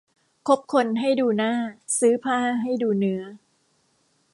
คบคนให้ดูหน้า ซื้อผ้าให้ดูเนื้อ